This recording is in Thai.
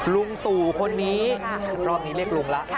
ลุงตู่คนนี้รอบนี้เรียกลุงละ